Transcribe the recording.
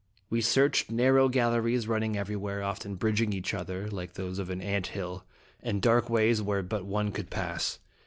We searched narrow galleries run ning everywhere, often bridging each other like those of an ant hill, and dark ways where but one could pass.